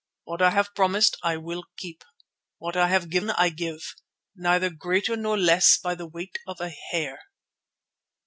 What I have promised I will keep. What I have given I give, neither greater nor less by the weight of a hair."